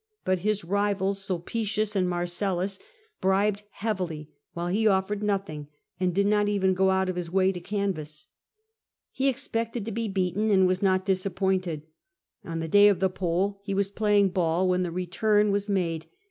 But his rivals, Sulpicius and Mai'cellus, bribed heavily, while he offered nothing, and did not even go out of his way to canvass. He expected to be beaten, and was not disappointed ; on the day of the poll he was playing ball when the return P 226 CATO was made.